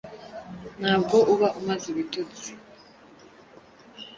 ntabwo uba umaze ibitotsi